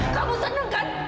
kamu seneng kan